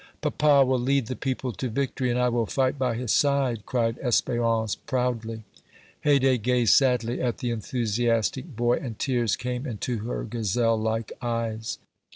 "Papa will lead the people to victory, and I will fight by his side!" cried Espérance, proudly. Haydée gazed sadly at the enthusiastic boy, and tears came into her gazelle like eyes.